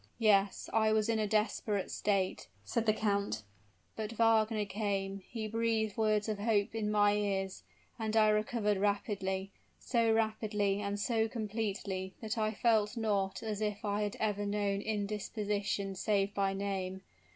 "Yes, I was in a desperate state," said the count. "But Wagner came he breathed words of hope in my ears, and I recovered rapidly; so rapidly and so completely that I feel not as if I had ever known indisposition save by name.